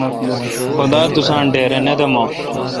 خدا تساں ڈیراے° نہ دمہ۔